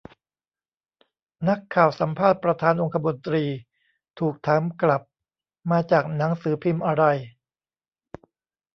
นักข่าวสัมภาษณ์ประธานองคมนตรี ถูกถามกลับ มาจากหนังสือพิมพ์อะไร